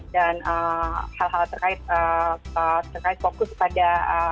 dan hal hal terkait fokus pada